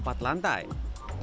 dan kita bisa menemani kudanya